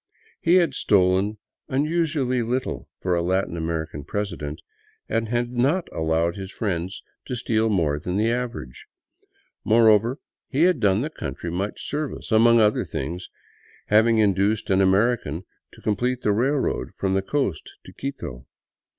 He had stolen unusually little for a Latin American president, and had not allowed his friends to steal more than the average. Moreover, he had done the country much service, among other things having induced an American to complete the railroad from the coast to Quito.